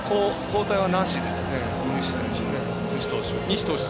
交代はなしですね、西投手。